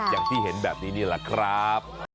อย่างที่เห็นแบบนี้นี่แหละครับ